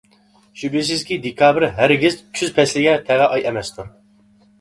شۈبھىسىزكى، دېكابىر ھەرگىز كۈز پەسلىگە تەۋە ئاي ئەمەستۇر.